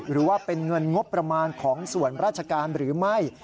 หรือว่าเป็นเงินงบประมาณของส่วนราชการหรือไม่